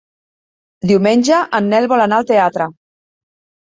Diumenge en Nel vol anar al teatre.